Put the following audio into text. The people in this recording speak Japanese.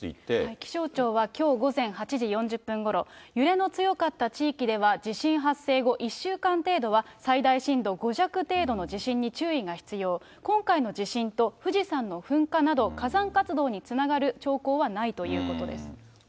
気象庁はきょう午前８時４０分ごろ、揺れの強かった地域では、地震発生後１週間程度は、最大震度５弱程度の地震に注意が必要、今回の地震と富士山の噴火など、火山活動につながる兆候はないということです。